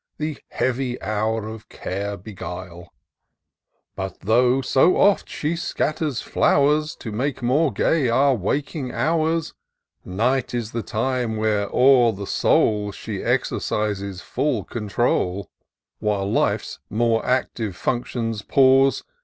The heavy hour of care beguile ! But though so oft she scatters flowers. To make more gay our waking hours. Night is the time when o'er the soul She exercises full control. While Life's more active functions pause.